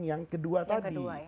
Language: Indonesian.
yang kedua tadi